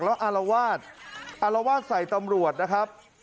ล้ออลวาทล้อลวาทใส่ตำรวจนะครับ